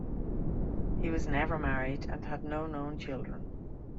He was never married and had no known children.